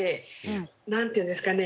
何て言うんですかね